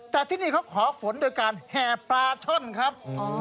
แต่ที่นี่เขาขอฝนโดยการแห่ปลาช่อนครับ